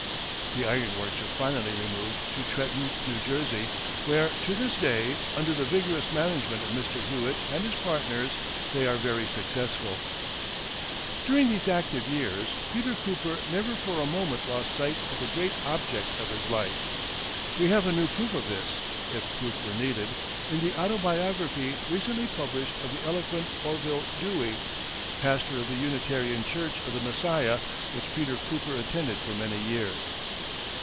The ironworks were finally removed to Trenton, New Jersey, where to this day, under the vigorous management of Mr. Hewitt and his partners, they are very successful. During these active years Peter Cooper never for a moment lost sight of the great object of his life. We have a new proof of this, if proof were needed, in the Autobiography recently published of the eloquent Orville Dewey, pastor of the Unitarian Church of the Messiah, which Peter Cooper attended for many years.